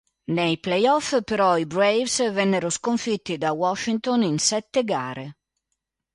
Nei playoff però i Braves vennero sconfitti da Washington in sette gare.